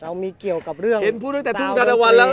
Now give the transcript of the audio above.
เรามีเกี่ยวกับเรื่องซาวน์เพียงพูดต้นตะเท่าทาวันแล้ว